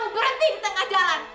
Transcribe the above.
kamu berhenti di tengah jalan